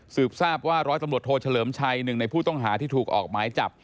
ทราบว่าร้อยตำรวจโทเฉลิมชัยหนึ่งในผู้ต้องหาที่ถูกออกหมายจับ